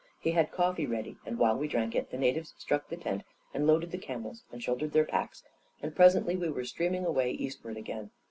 He had coffee ready, and while we drank it, the na tives struck the tent and loaded the camels and shouldered their packs, and presently we were streaming away eastward again.